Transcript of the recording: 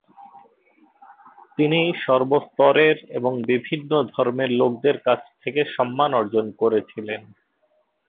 তিনি সর্বস্তরের এবং বিভিন্ন ধর্মের লোকদের কাছ থেকে সম্মান অর্জন করেছিলেন।